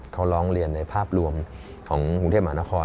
เขาร้องเรียนในภาพรวมของกรุงเทพมหานคร